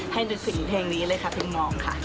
ให้ดูถึงเพลงนี้เลยครับเพียงมองค่ะ